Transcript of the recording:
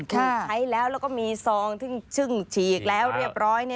คือใช้แล้วแล้วก็มีซองซึ่งฉีกแล้วเรียบร้อย